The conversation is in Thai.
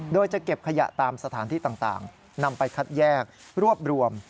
โดยจะเก็บขยะตามสถานที่ต่างนำไปคัดแยกรวบรวม